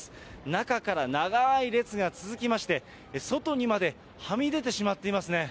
中から長い列が続きまして、外にまではみ出てしまっていますね。